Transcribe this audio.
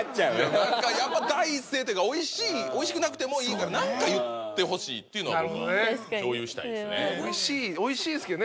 何かやっぱ第一声というかおいしくなくてもいいから何か言ってほしいっていうのは僕は共有したいですね。